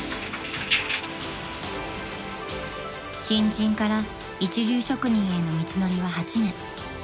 ［新人から一流職人への道のりは８年］